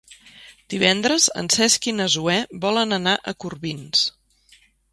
Divendres en Cesc i na Zoè volen anar a Corbins.